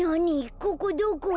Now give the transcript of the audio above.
ここどこ？